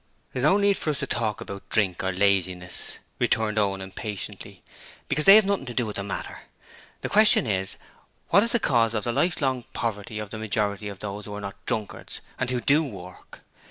'There's no need for us to talk about drink or laziness,' returned Owen, impatiently, 'because they have nothing to do with the matter. The question is, what is the cause of the lifelong poverty of the majority of those who are not drunkards and who DO work?